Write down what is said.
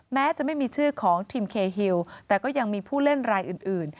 แม้จะไม่มีชื่อของทีมเคฮิลแต่ก็ยังมีผู้เล่นรายอื่น